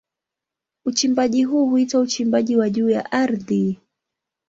Uchimbaji huu huitwa uchimbaji wa juu ya ardhi.